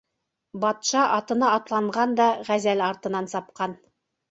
Батша атына атланған да ғәзәл артынан сапҡан.